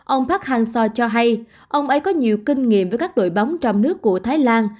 ông park hang seo cho hay ông ấy có nhiều kinh nghiệm với các đội bóng trong nước của thái lan